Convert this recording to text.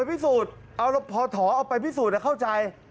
พอท้อเอาไปพิสูจน์แล้วเข้าใจ